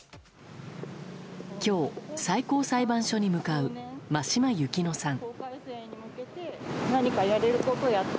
今日、最高裁判所に向かう真島幸乃さん。